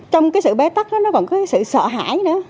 trong cái sự bế tắc nó còn có cái sự sợ hãi nữa